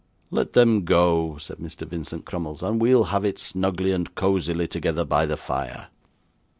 'Let them go,' said Mr. Vincent Crummles, 'and we'll have it snugly and cosily together by the fire.